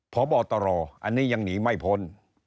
พบตรอันนี้ยังหนีไม่พ้น